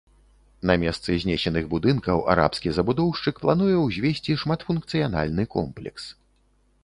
На месцы знесеных будынкаў арабскі забудоўшчык плануе ўзвесці шматфункцыянальны комплекс.